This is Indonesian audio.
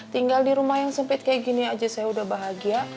tinggal di rumah yang sempit kayak gini aja saya udah bahagia